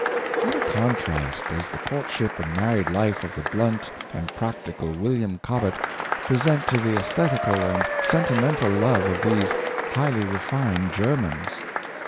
''^ What a contrast does the courtship and married life of the blunt and practical William Cobbett present to the aesthetical and sentimental love of these highly re fined Germans